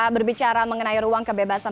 berbicara mengenai ruang kebebasan